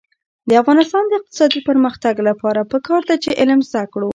د افغانستان د اقتصادي پرمختګ لپاره پکار ده چې علم زده کړو.